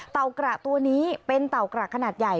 กระตัวนี้เป็นเต่ากระขนาดใหญ่